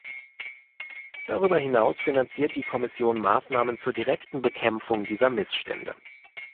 Darüber hinaus finanziert die Kommission Maßnahmen zur direkten Bekämpfung dieser Missstände.